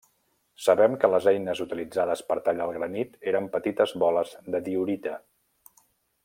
Sabem que les eines utilitzades per tallar el granit eren petites boles de diorita.